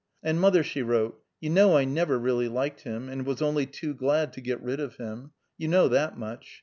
"And mother," she wrote, "you know I never really liked him, and was only too glad to get rid of him; you know that much.